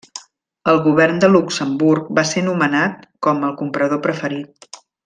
El Govern de Luxemburg va ser nomenat com el comprador preferit.